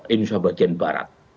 indonesia bagian barat